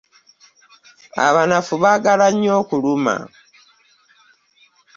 Abanafu baagala nnyo okuluma.